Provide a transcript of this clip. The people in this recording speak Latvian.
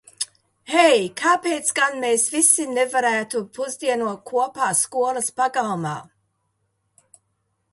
Hei, kāpēc gan mēs visi nevarētu pusdienot kopā skolas pagalma?